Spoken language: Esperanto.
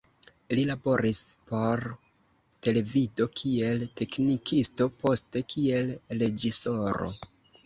Li laboris por televido kiel teknikisto, poste kiel reĝisoro.